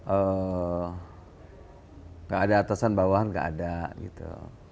enggak ada atasan bawahan nggak ada gitu